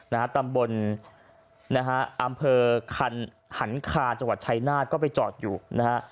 นะฮะตำบลนะฮะอำเภอคันหันคาจังหวัดชายนาฏก็ไปจอดอยู่นะฮะ